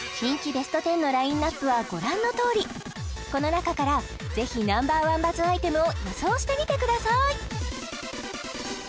ベスト１０のラインナップはご覧のとおりこの中からぜひＮｏ．１バズアイテムを予想してみてください